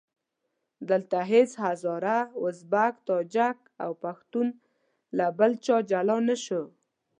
دلته هېڅ هزاره، ازبک، تاجک او پښتون له بل چا جلا نه شو.